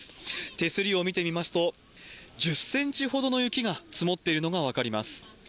手すりを見てみますと、１０センチほどの雪が積もっているのが分かります。